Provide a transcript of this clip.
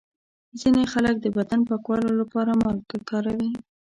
ځینې خلک د بدن پاکولو لپاره مالګه کاروي.